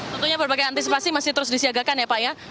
tentunya berbagai antisipasi masih terus disiagakan ya pak ya